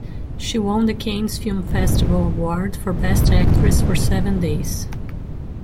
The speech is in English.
She won the Cannes Film Festival Award for Best Actress for Seven Days...